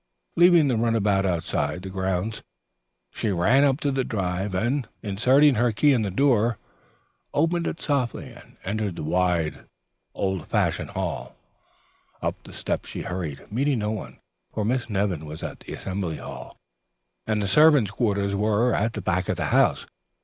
Leaving the runabout outside the grounds, she ran up the drive, and, inserting her key in the door, opened it softly and entered the wide, old fashioned hall. Up the steps she hurried, meeting no one, for Miss Nevin was at Assembly Hall and the servants' quarters were at the back of the house.